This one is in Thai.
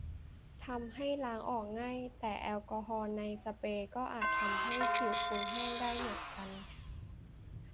ทำให้ล้างออกง่าย แต่แอลกอฮอล์ในสเปรย์ก็อาจทำให้ผิวคุณแห้งได้เหมือนกัน